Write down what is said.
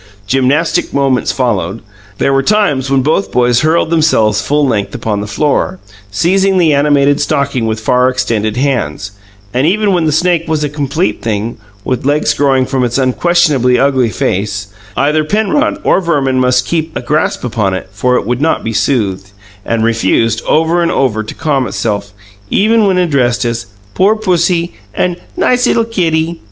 Gymnastic moments followed; there were times when both boys hurled themselves full length upon the floor, seizing the animated stocking with far extended hands; and even when the snake was a complete thing, with legs growing from its unquestionably ugly face, either Penrod or Verman must keep a grasp upon it, for it would not be soothed, and refused, over and over, to calm itself, even when addressed as, "Poor pussy!" and "Nice 'ittle kitty!"